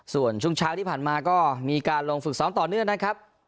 ส่วนช่วงเช้าที่ผ่านมาก็มีการลงฝึกซ้อมต่อเนื่องนะครับ